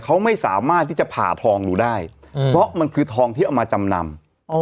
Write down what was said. เขาไม่สามารถที่จะผ่าทองหนูได้เพราะมันคือทองที่เอามาจำนำ